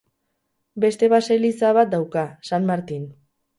Beste baseliza bat dauka, San Martin.